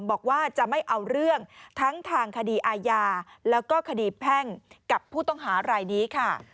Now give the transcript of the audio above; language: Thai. บอกว่าจะไม่เอาเรื่องทั้งทางคดีอาญาแล้วก็คดีแพ่งกับผู้ต้องหารายนี้ค่ะ